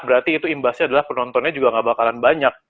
berarti itu imbasnya adalah penontonnya juga gak bakalan banyak